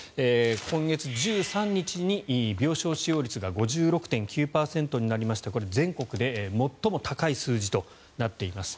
今月１３日に病床使用率が５６．９％になりましてこれ、全国で最も高い数字となっています。